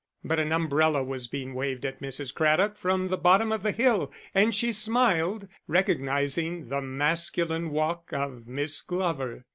But an umbrella was being waved at Mrs. Craddock from the bottom of the hill, and she smiled, recognising the masculine walk of Miss Glover.